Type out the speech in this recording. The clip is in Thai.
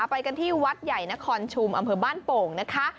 ไปกันที่วัดใหญ่นครชุมอำเภอบ้านโป่งนะคะ